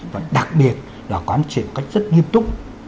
và đặc biệt là quán triển một cách rất nghiêm túc